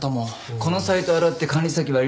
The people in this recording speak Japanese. このサイトを洗って管理先割り出すか。